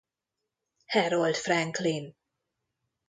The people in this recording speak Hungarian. Harold Franklin.